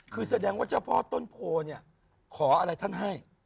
คือแสดงว่าเจ้าพ่อต้นโพเนี่ยขออะไรท่านให้